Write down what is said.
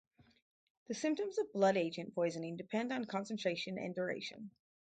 The symptoms of blood agent poisoning depend on concentration and duration.